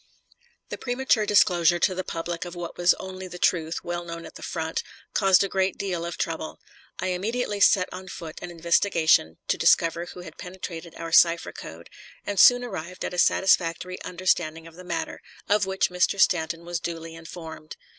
This premature disclosure to the public of what was only the truth, well known at the front, caused a great deal of trouble. I immediately set on foot an investigation to discover who had penetrated our cipher code, and soon arrived at a satisfactory understanding of the matter, of which Mr. Stanton was duly informed.